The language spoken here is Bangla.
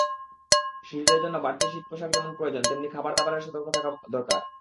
শিশুদের জন্য বাড়তি শীতপোশাক যেমন প্রয়োজন, তেমনি খাবারদাবারে সতর্ক থাকা দরকার।